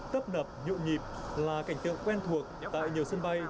tấp nập nhộn nhịp là cảnh tượng quen thuộc tại nhiều sân bay